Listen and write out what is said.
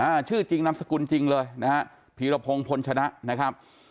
อ่าชื่อจริงนามสกุลจริงเลยนะฮะพีรพงศ์พลชนะนะครับ